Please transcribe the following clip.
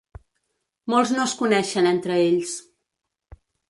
Molts no es coneixen entre ells.